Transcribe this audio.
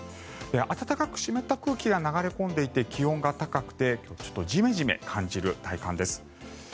暖かく湿った空気が流れ込んでいて、気温が高くて今日はちょっとジメジメ感じる体感です。